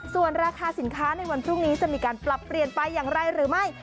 ส่วนราคาสินค้าในวันพรุ่งนี้จะมีการปรับเปลี่ยนไปอย่างไรหรือไม่